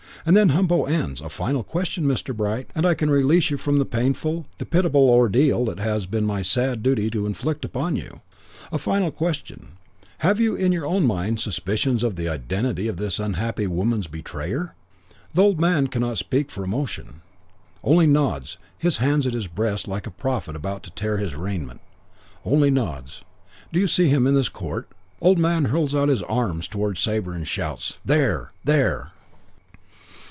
"And then Humpo ends, 'A final question, Mr. Bright, and I can release you from the painful, the pitiable ordeal it has been my sad duty to inflict upon you. A final question: 'Have you in your own mind suspicions of the identity of this unhappy woman's betrayer?' Old man cannot speak for emotion. Only nods, hands at his breast like a prophet about to tear his raiment. Only nods. "'Do you see him in this court?' "Old man hurls out his arms towards Sabre. Shouts, 'There! There!'